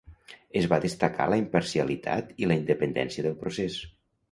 Es va destacar la imparcialitat i la independència del procés.